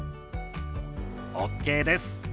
ＯＫです。